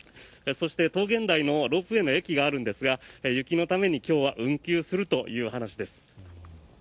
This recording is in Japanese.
そして、桃源台もロープウェーの駅があるんですが雪のために今日は運休するという話です。